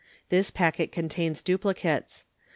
(This packet contains duplicates.)